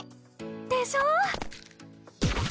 でしょ！